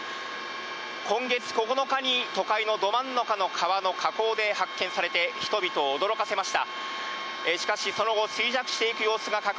今月９日に、都会のど真ん中の川の河口で発見されて人々を驚かせました。